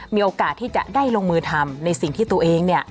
มีโอกาสที่จะได้ลงมือทำในสิ่งที่ตัวเอง